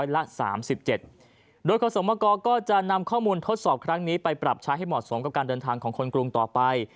โดยขอสมกรก็จะนำข้อมูลทดสอบครั้งนี้ไปปรับใช้ให้เหมาะสมกับการเดินทางของคนกรุงต่อไป